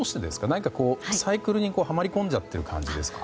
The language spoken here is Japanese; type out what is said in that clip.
何か、サイクルにはまり込んじゃってる感じですか？